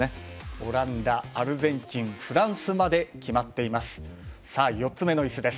オランダ、アルゼンチンフランスまで決まっています。